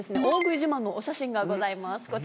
大食い自慢のお写真がございます。